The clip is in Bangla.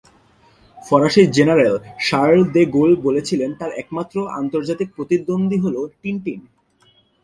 ফরাসি জেনারেল শার্ল দ্য গোল বলেছিলেন, তাঁর "একমাত্র আন্তর্জাতিক প্রতিদ্বন্দ্বী হলো টিনটিন"।